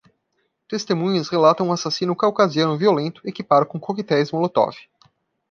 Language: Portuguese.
Testemunhas relatam um assassino caucasiano violento equipado com coquetéis Molotov.